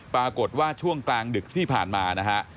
ปรากฏว่าช่วงกลางดึกที่ผ่านมานะฮะ